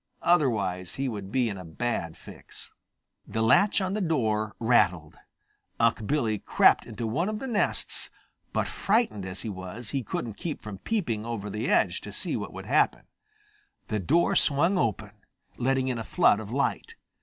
Otherwise, he would be in a bad fix. The latch on the door rattled. Unc' Billy crept into one of the nests, but frightened as he was, he couldn't keep from peeping over the edge to see what would happen. The door swung open, letting in a flood of light.